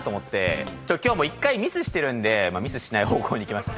今日もう１回ミスしてるんでミスしない方向にいきましたね。